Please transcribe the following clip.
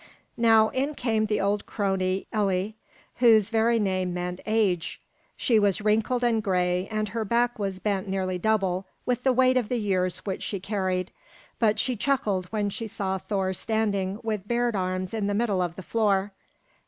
Now in came the old crone, Elli, whose very name meant "age." She was wrinkled and gray, and her back was bent nearly double with the weight of the years which she carried, but she chuckled when she saw Thor standing with bared arm in the middle of the floor.